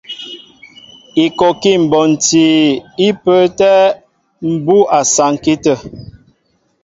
Ikɔkí mbonti í pə́ə́tɛ̄ mbú' a saŋki tə̂.